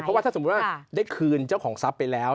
เพราะว่าถ้าสมมุติว่าได้คืนเจ้าของทรัพย์ไปแล้ว